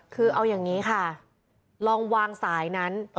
คือเอาอย่างนี้ค่ะลองวางสายนั้น